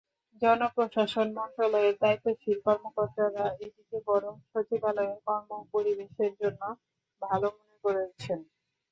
জনপ্রশাসন মন্ত্রণালয়ের দায়িত্বশীল কর্মকর্তারা এটিকে বরং সচিবালয়ের কর্মপরিবেশের জন্য ভালো মনে করছেন।